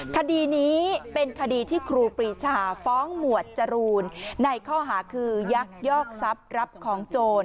คดีนี้เป็นคดีที่ครูปรีชาฟ้องหมวดจรูนในข้อหาคือยักยอกทรัพย์รับของโจร